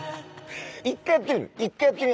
一回やってみる？